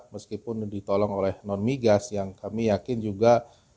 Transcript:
meskipun ditolong oleh non migas yang kami yakin juga